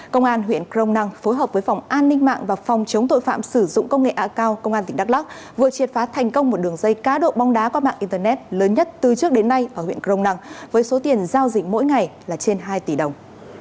công an huyện crong nang phối hợp với phòng an ninh mạng và phòng chống tội phạm sử dụng công nghệ a cao vừa triệt phá thành công một đường dây cá độ bóng đá qua mạng internet lớn nhất từ trước đến nay ở huyện crong nang với số tiền giao dịch mỗi ngày là trên hai tỷ đồng